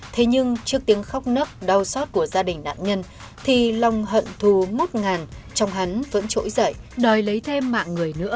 thế nhưng trước tiếng khóc nấc đau xót của gia đình nạn nhân thì lòng hận thù ngút ngàn trong hắn vẫn trỗi dậy đòi lấy thêm mạng người nữa